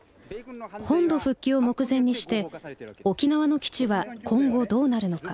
本土復帰を目前にして「沖縄の基地は今後どうなるのか」。